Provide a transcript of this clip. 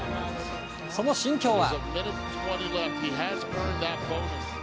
その心境は。